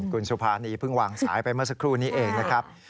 คุณสุภานีเพิ่งวางสายไปเมื่อสักครู่นี้เองนะครับ